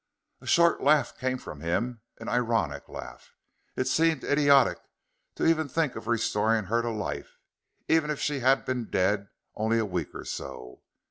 A short laugh came from him an ironic laugh. It seemed idiotic to even think of restoring her to life, even if she had been dead only a week or so.